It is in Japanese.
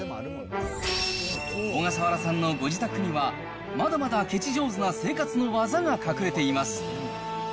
小笠原さんのご自宅には、まだまだケチ上手な生活の技が隠れています。